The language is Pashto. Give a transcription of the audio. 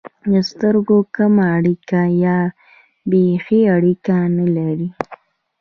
د سترګو کمه اړیکه یا بېخي اړیکه نه لري.